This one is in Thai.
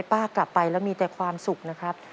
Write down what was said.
กลับไปแล้วมีแต่ความสุขนะครับ